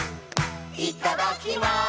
「いただきます」